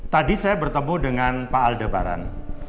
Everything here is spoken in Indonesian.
tadi saya bertemu dengan pak aldebaran